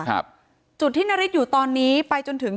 ต้นไม่ไหมครับก่อนจะถึง